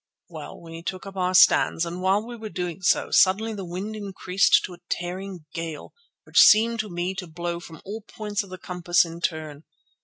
Well, we took up our stands, and while we were doing so, suddenly the wind increased to a tearing gale, which seemed to me to blow from all points of the compass in turn.